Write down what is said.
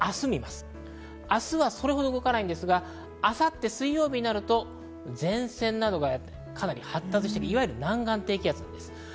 明日はそれほど動かないんですが、明後日、水曜日になると前線などがかなり発達して、いわゆる南岸低気圧です。